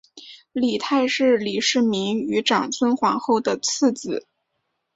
李泰是李世民与长孙皇后的次子。